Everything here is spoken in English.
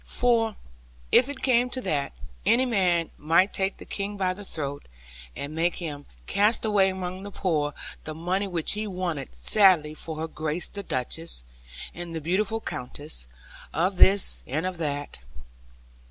For, if it came to that, any man might take the King by the throat, and make him cast away among the poor the money which he wanted sadly for Her Grace the Duchess, and the beautiful Countess, of this, and of that.